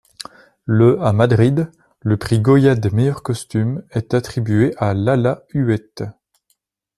Le à Madrid, le Prix Goya des meilleurs costumes est attribué à Lala Huete.